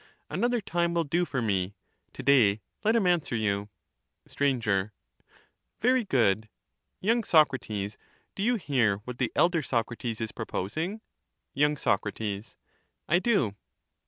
Another time will do for me ; to day let him answer you. Sir. Very good. Young Socrates, do you hear what the elder Socrates is proposing ? Young Socrates. I do.